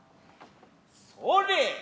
それ。